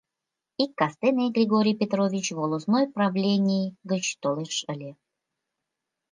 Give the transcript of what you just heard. Ик кастене Григорий Петрович волостной правлений гыч толеш ыле.